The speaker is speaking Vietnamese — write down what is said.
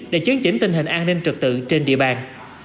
để chấn chỉnh tình hình an ninh trực tự trên địa bàn